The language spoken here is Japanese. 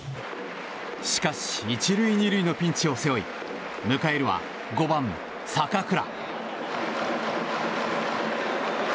しかし１塁２塁のピンチを背負い迎えるは５番、坂倉。